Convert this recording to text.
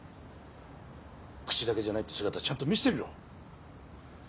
口だけじゃないって姿ちゃんと見せてみろ。